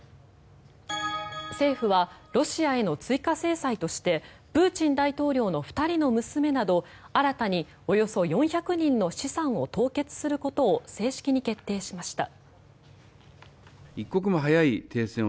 政府はロシアへの追加制裁としてプーチン大統領の２人の娘など新たにおよそ４００人の資産を凍結することを正式に決定しました。